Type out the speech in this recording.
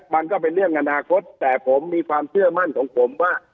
มันก็เป็นเรื่องอนาคตแต่ผมมีความเชื่อมั่นของผมว่า